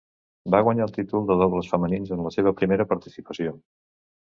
Va guanyar el títol de dobles femenins en la seva primera participació.